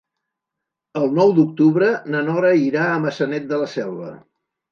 El nou d'octubre na Nora irà a Maçanet de la Selva.